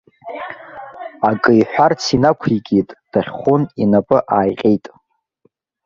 Акы иҳәарц инақәикит, дахьхәын, инапы ааиҟьеит.